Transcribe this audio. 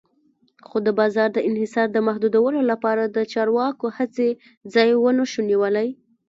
خو د بازار د انحصار د محدودولو لپاره د چارواکو هڅې ځای ونشو نیولی.